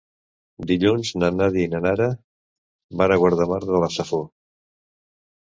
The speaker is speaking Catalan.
Dilluns na Nàdia i na Nara van a Guardamar de la Safor.